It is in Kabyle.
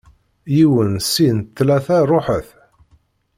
yiwen, sin, tlata, ruḥet!